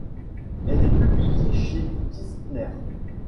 Elle est publiée chez Kistner.